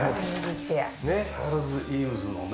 チャールズ・イームズのね。